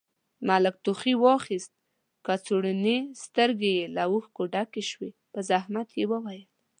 ملک ټوخي واخيست، کڅوړنې سترګې يې له اوښکو ډکې شوې، په زحمت يې وويل: